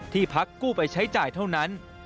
ที่พักกู้ไปใช้จ่ายเท่านั้น